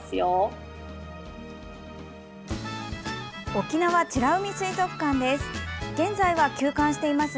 沖縄美ら海水族館です。